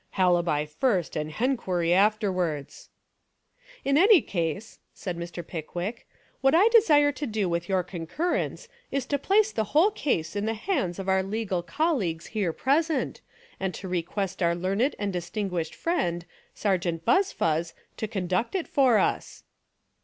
Halibi first and henquiry afterwards," *'In any case," said Mr. Pickwick, "what I desire to do with your concurrence, Is to place the whole case in the hands of our legal col leagues here present and to request our learned and distinguished friend, Sergeant Buzfuz, to conduct it for us."